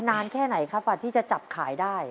นานแค่ไหนครับกว่าที่จะจับขายได้